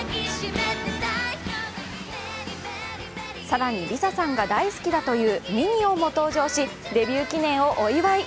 更にＬｉＳＡさんが大好きだというミニオンも登場し、デビュー記念をお祝い！